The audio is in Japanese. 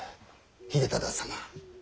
秀忠様。